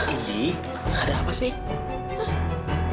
ini ada apa sih